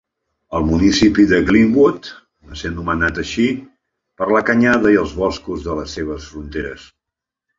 El municipi de Glenwood va ser anomenada així per la canyada i els boscos de les seves fronteres.